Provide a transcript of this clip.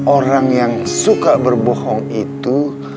orang yang suka berbohong itu